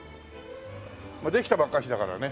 まあできたばっかしだからね。